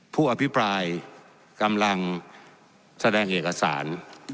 ผู้อภิปรายกำลังแสดงเอกสาร